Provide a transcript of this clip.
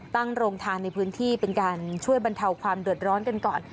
โรงทานในพื้นที่เป็นการช่วยบรรเทาความเดือดร้อนกันก่อน